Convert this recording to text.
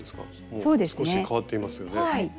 そうですね。も少し変わっていますよね。